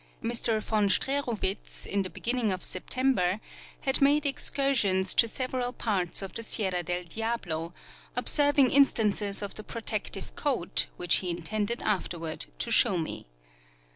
Mr von StreeruAvitz in the beginning of September had made excursions to several parts of the Sierra del Diablo, observing instances of the j)rotective coat, Avhich he intended afterAvard to shoAv me.